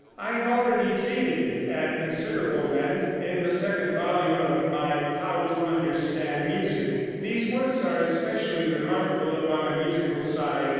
I have already treated it at considerable length in the second volume of my "How to Understand Music." These works are especially remarkable upon a musical side.